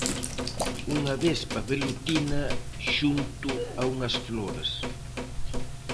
Unha vespa velutina xunto a unhas flores.